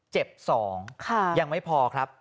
เจ็บ๒ยังไม่พอครับ